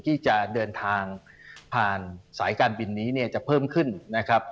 ที่จะเดินทางผ่านสายการบินนี้เนี่ยจะเพิ่มขึ้นนะครับ